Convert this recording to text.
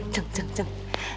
jeng jeng jeng